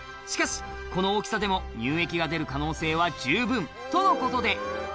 しかし、この大きさでも乳液が出る可能性は十分とのことで。